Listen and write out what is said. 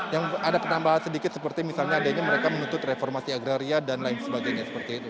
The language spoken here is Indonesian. yang ada penambahan sedikit seperti misalnya adanya mereka menuntut reformasi agraria dan lain sebagainya seperti itu